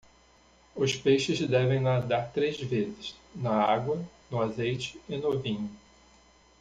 Os peixes devem nadar três vezes: na água, no azeite e no vinho.